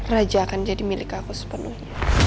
raja akan jadi milik aku sepenuhnya